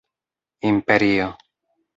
imperio